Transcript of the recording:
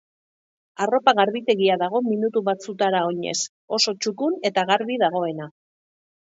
Arropa garbitegia dago minutu batzutara oinez, oso txukun eta garbia dagoena.